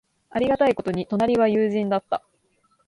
ありがたいことに、隣は友人だった。